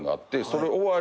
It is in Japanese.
それ終わり